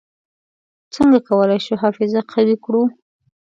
څنګه کولای شو حافظه قوي کړو؟